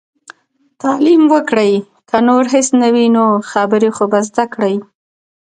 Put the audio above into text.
تعليم وکړئ! که نور هيڅ نه وي نو، خبرې خو به زده کړي.